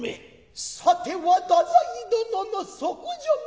「さては太宰殿の息女なるか」。